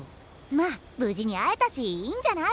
まあ無事に会えたしいいんじゃない？